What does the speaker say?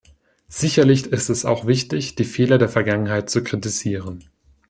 Sicherlich ist es auch wichtig, die Fehler der Vergangenheit zu kritisieren.